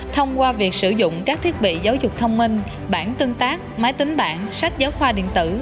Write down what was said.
thông qua việc sử dụng các thiết bị giáo dục thông minh bản tương tác máy tính bản sách giáo khoa điện tử